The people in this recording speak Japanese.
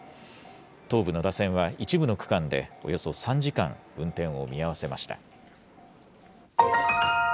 東武野田線は一部の区間でおよそ３時間、運転を見合わせました。